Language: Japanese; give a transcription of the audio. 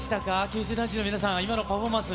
九州男児の皆さん、今のパフォーマンス。